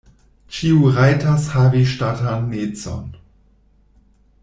Ĉiu rajtas havi ŝtatanecon.